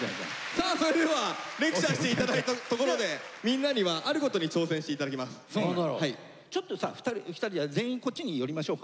さあそれではレクチャーしていただいたところでちょっとさ２人２人じゃない全員こっちに寄りましょうか。